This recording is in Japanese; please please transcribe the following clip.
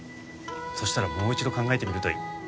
そしたらもう一度考えてみるといい。